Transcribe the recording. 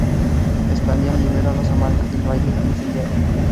Esplandián libera a los amantes del Valle Incendiado.